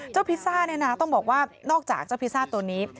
พิซซ่าเนี่ยนะต้องบอกว่านอกจากเจ้าพิซซ่าตัวนี้